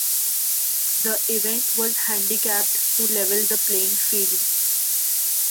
The event was handicapped to level the playing field.